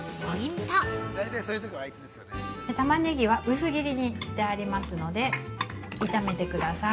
◆タマネギは薄切りにしてありますので炒めてください。